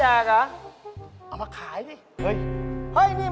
เห้ยนี่มันร้านขายพอบีน